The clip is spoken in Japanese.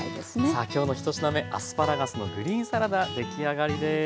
さあ今日の１品目アスパラガスのグリーンサラダ出来上がりです。